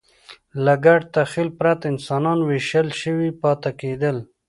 له ګډ تخیل پرته انسانان وېشل شوي پاتې کېدل.